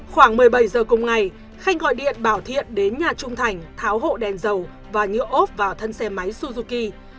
khoảng một mươi bảy giờ cùng ngày khanh gọi điện bảo thiện đến nhà trung thành tháo hộ đèn dầu và nhựa ốp vào thân xe máy suzuki